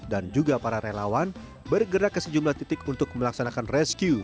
dan juga para relawan bergerak ke sejumlah titik untuk melaksanakan rescue